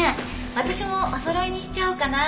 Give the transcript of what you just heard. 私もおそろいにしちゃおうかな。